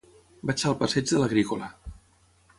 Vaig al passeig de l'Agrícola.